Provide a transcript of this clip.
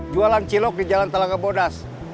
jualan cilok di jalan talagabodas